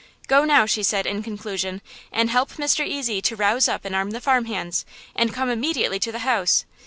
"Go, now," she said, in conclusion, "and help Mr. Ezy to rouse up and arm the farm hands and come immediately to the house!